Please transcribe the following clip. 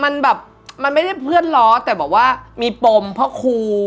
มันแบบมันไม่ได้เพื่อนล้อแต่แบบว่ามีปมเพราะครู